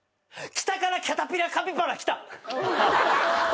北からキャタピラカピバラ来た。